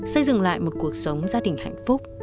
xây dựng lại một cuộc sống gia đình hạnh phúc